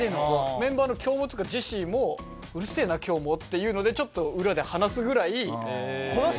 メンバーの京本とかジェシーも「うるせぇな今日も」っていうのでちょっと裏で話すぐらい。